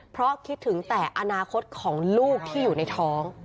เพราะคิดถึงแต่อนาคตของลูกที่อยู่ในท้อง